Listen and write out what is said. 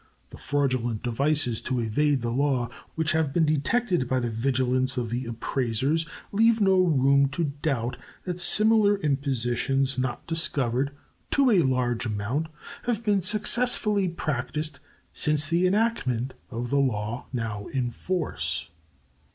The fraudulent devices to evade the law which have been detected by the vigilance of the appraisers leave no room to doubt that similar impositions not discovered, to a large amount, have been successfully practiced since the enactment of the law now in force.